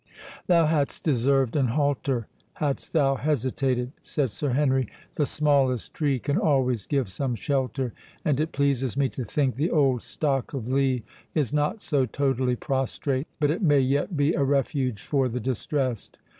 "Thou hadst deserved an halter, hadst thou hesitated" said Sir Henry; "the smallest tree can always give some shelter,—and it pleases me to think the old stock of Lee is not so totally prostrate, but it may yet be a refuge for the distressed.